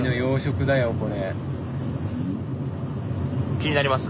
気になります？